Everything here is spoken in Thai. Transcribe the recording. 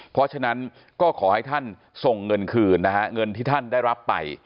เพราะฉะนั้นก็ขอให้ท่านส่งเงินคืนนะฮะเงินที่ท่านได้รับไป